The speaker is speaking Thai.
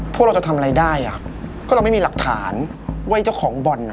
พวกเราจะทำอะไรได้อ่ะก็เราไม่มีหลักฐานว่าเจ้าของบ่อนอ่ะ